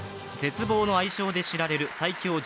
絶望の愛称で知られる最強